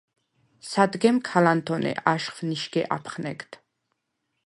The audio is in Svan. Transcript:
სადგემ ქა ლანთონე აშხვ ნიშგე აფხნეგდ: